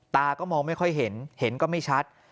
ตาก็มองไม่ค่อยเห็นเห็นก็ไม่ชัด